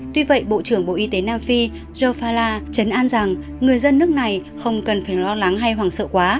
tuy vậy bộ trưởng bộ y tế nam phi jopella chấn an rằng người dân nước này không cần phải lo lắng hay hoảng sợ quá